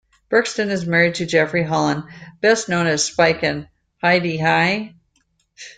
Buxton is married to Jeffrey Holland, best known as Spike in "Hi-de-Hi!".